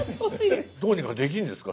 どうにかできるんですか？